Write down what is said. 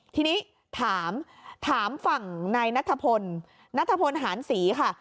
ทีนี้ถามถามฝั่งนายนัทพลนัทพลหานศรีค่ะ